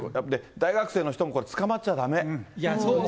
大学生の人もこれ、つかまっちゃだめ。